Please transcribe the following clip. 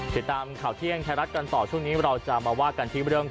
ติดตามข่าวเที่ยงไทยรัฐกันต่อ